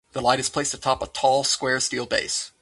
The light is placed atop a tall square steel base.